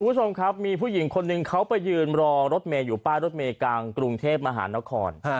คุณผู้ชมครับมีผู้หญิงคนหนึ่งเขาไปยืนรอรถเมย์อยู่ป้ายรถเมย์กลางกรุงเทพมหานคร